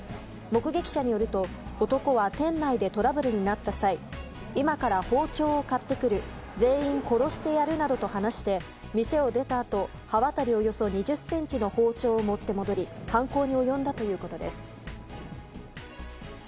目撃者によると男は店内でトラブルになった際今から包丁を買ってくる全員殺してやるなどと話して店を出たあと刃渡りおよそ２０ｃｍの包丁を持って戻り犯行に及んだということです。